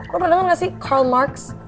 lo pernah denger gak sih karl marx